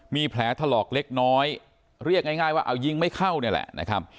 มีแผลถลอกเล็กน้อยเรียกง่ายว่าเอายิงไม่เข้าเนี่ยแหละนะครับ